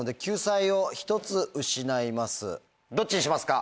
どっちにしますか？